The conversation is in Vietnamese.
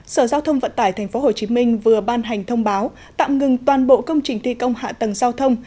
sở giao thông vận tải tp hcm vừa ban hành thông báo tạm ngừng toàn bộ công trình thi công hạ tầng giao thông